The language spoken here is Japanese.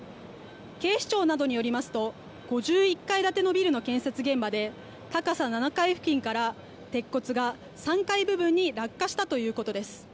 警視庁などによりますと５１階建てのビルの建設現場で高さ７階付近から鉄骨が３階部分に落下したということです。